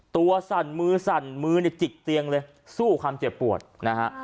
สั่นมือสั่นมือเนี่ยจิกเตียงเลยสู้ความเจ็บปวดนะฮะ